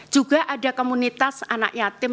juga ada komunitas anak yatim